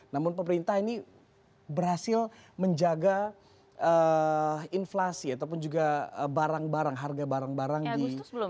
namun pemerintah ini berhasil menjaga inflasi ataupun juga barang barang harga barang barang di